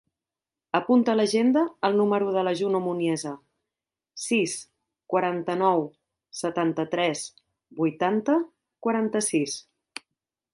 Apunta a l'agenda el número de la Juno Muniesa: sis, quaranta-nou, setanta-tres, vuitanta, quaranta-sis.